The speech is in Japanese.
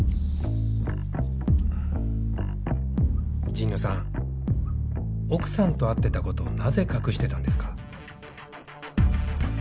神野さん奥さんと会ってたことを何故隠してたんですか？